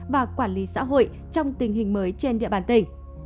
và quản lý xã hội trong tình hình mới trên địa bàn tỉnh